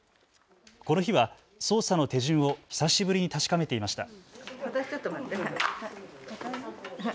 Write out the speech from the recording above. この日は操作の手順を久しぶりに確かめていました。